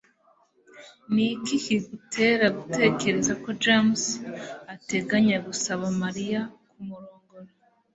ni iki kigutera gutekereza ko james ateganya gusaba mariya kumurongora